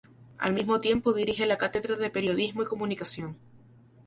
Al mismo tiempo, dirige la Cátedra de Periodismo y Comunicación.